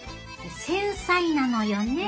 繊細なのよね